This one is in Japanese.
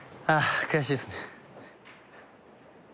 ああ！？